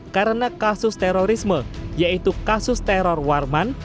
karena kasus terorisme yaitu kasus teror warman